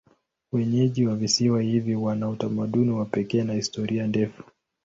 Wenyeji wa visiwa hivi wana utamaduni wa pekee na historia ndefu.